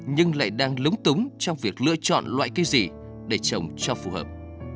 nhưng lại đang lúng túng trong việc lựa chọn loại cây gì để trồng cho phù hợp